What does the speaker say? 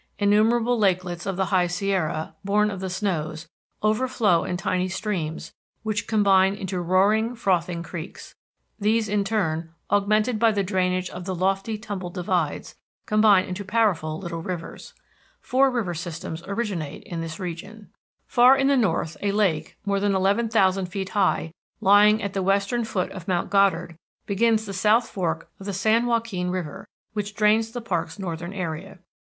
Innumerable lakelets of the High Sierra, born of the snows, overflow in tiny streams which combine into roaring, frothing creeks. These in turn, augmented by the drainage of the lofty tumbled divides, combine into powerful little rivers. Four river systems originate in this region. Far in the north a lake, more than eleven thousand feet high, lying at the western foot of Mount Goddard, begins the South Fork of the San Joaquin River, which drains the park's northern area.